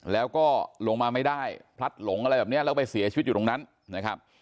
แล้วก็ลงมาไม่ได้พลัดหลงอะไรแบบนี้แล้วไปเสียชีวิตอยู่ตรงนั้นนะครับ